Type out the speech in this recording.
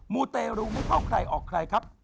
มูเตรูไม่เข้าใครออกใครครับ